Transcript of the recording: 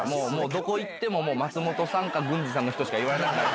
どこ行っても松本さんか郡司さんの人しか言われない。